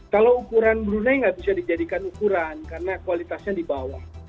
kalau ukuran brunei nggak bisa dijadikan ukuran karena kualitasnya di bawah